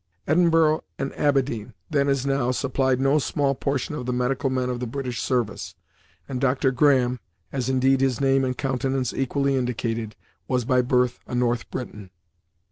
Edinburgh and Aberdeen, then as now, supplied no small portion of the medical men of the British service, and Dr. Graham, as indeed his name and countenance equally indicated, was, by birth a North Briton.